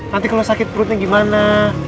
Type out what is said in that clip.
nanti kalau sakit perutnya gimana